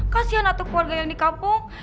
kasian atau keluarga yang di kampung